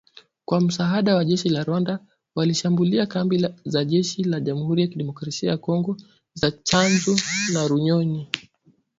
Kwa msaada wa jeshi la Rwanda, walishambulia kambi za jeshi la Jamuhuri ya kidemokrasia ya kongo za Tchanzu na Runyonyi